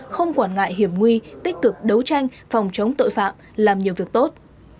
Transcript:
không quản ngại hiểm nguy tích cực đấu tranh phòng chống tội phạm làm nhiều việc tốt